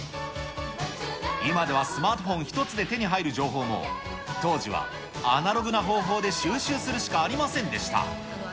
今ではスマートフォン一つで手に入る情報も、当時はアナログな方法で収集するしかありませんでした。